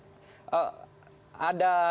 ada catatan serius kali ini ya